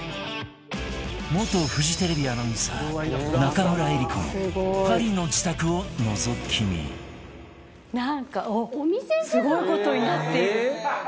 元フジテレビアナウンサー中村江里子のパリの自宅をのぞき見なんかすごい事になっている！